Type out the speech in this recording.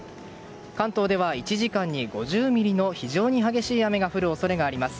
関東では１時間に５０ミリの非常に激しい雨が降る可能性があります。